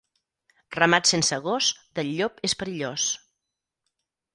Ramat sense gos, del llop és perillós.